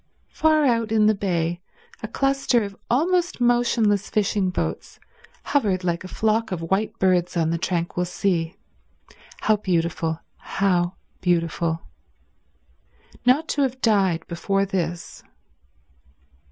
Far out in the bay a cluster of almost motionless fishing boats hovered like a flock of white birds on the tranquil sea. How beautiful, how beautiful. Not to have died before this